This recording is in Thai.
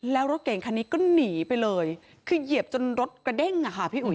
แล้วรถเก่งคันนี้ก็หนีไปเลยคือเหยียบจนรถกระเด้งอ่ะค่ะพี่อุ๋